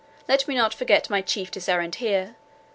Let me not forget my chiefest errand here.